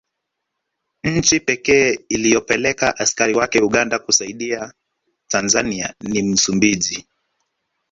Nchi pekee iliyopeleka askari wake Uganda kuisaidia Tanzania ni Msumbiji